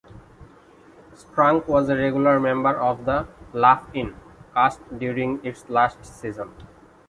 Strunk was a regular member of the "Laugh-In" cast during its last season.